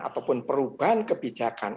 ataupun perubahan kebijakan